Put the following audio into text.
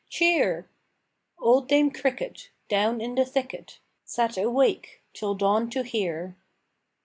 cheer!" Old Dame Cricket, Down in the thicket, Sat awake till dawn to hear.